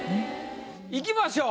いきましょう。